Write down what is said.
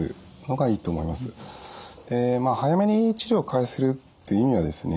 早めに治療を開始するっていう意味はですね